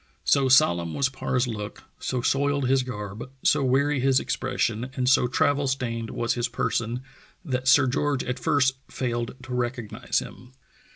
So solemn was Parr's look, so soiled his garb, so weary his expression, and so travel stained was his person that Sir George at first failed to recognize him.